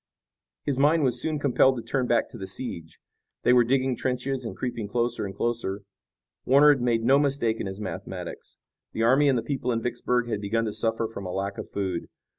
His mind was soon compelled to turn back to the siege. They were digging trenches and creeping closer and closer. Warner had made no mistake in his mathematics. The army and the people in Vicksburg had begun to suffer from a lack of food.